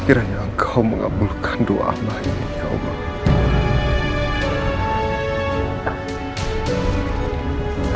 kiranya engkau mengabulkan doa allah ini ya allah